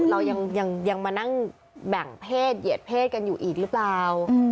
เรายังมานั่งแบ่งเพศเหยียดเพศกันอยู่อีกหรือเปล่า